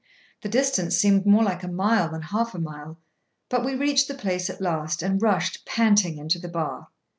The distance seemed more like a mile than half a mile, but we reached the place at last, and rushed, panting, into the bar.